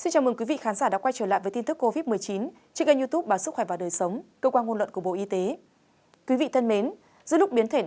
các bạn hãy đăng ký kênh để ủng hộ kênh của chúng mình nhé